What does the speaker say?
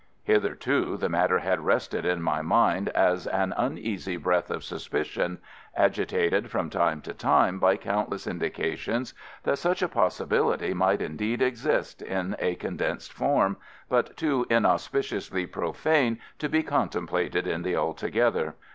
_ Hitherto the matter had rested in my mind as an uneasy breath of suspicion, agitated from time to time by countless indications that such a possibility might, indeed, exist in a condensed form, but too inauspiciously profane to be contemplated in the altogether.